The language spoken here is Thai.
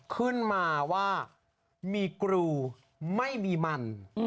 ขึ้นมาว่ามีกรูไม่มีมัน